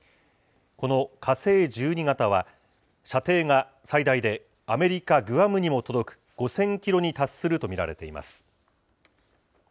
この火星１２型は、射程が最大で、アメリカ・グアムにも届く５０００キロに達すると見られています。